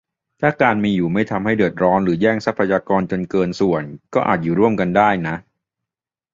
ถ้าการมีอยู่ไม่ทำให้เดือดร้อนหรือแย่งทรัพยากรกันจนเกินส่วน ก็อาจอยู่ร่วมกันได้นะ